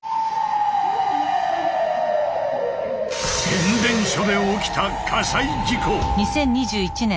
変電所で起きた火災事故。